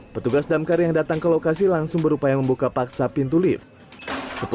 petugas damkar yang datang ke lokasi langsung berupaya membuka paksa pintu lift